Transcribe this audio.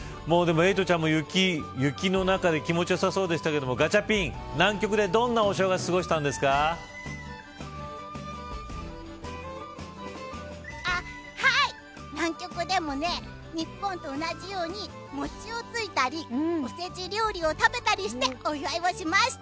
エイトちゃんも雪の中で気持ち良さそうでしたけどガチャピン、南極でどんなお正月を南極でもね、日本と同じように餅をついたりおせち料理を食べたりしてお祝いをしました。